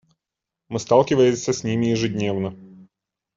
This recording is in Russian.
Мы сталкиваемся с ними ежедневно.